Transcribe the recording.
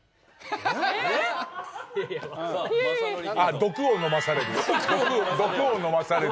「毒を飲まされる」。